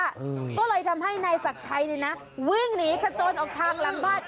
อืมก็เลยทำให้นายศักดิ์ชัยเนี่ยนะวิ่งหนีกระโจนออกทางหลังบ้าน